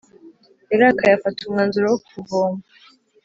Yarakaye afata umwanzuro wo kuvoma